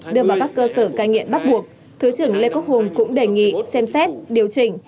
đưa vào các cơ sở cai nghiện bắt buộc thứ trưởng lê quốc hùng cũng đề nghị xem xét điều chỉnh